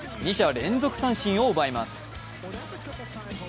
２者連続三振を奪います。